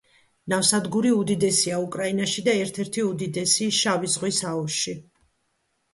ნავსადგური უდიდესია უკრაინაში და ერთ-ერთი უდიდესი შავი ზღვის აუზში.